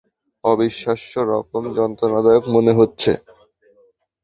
অবিশ্বাস্যরকম যন্ত্রণাদায়ক মনে হচ্ছে।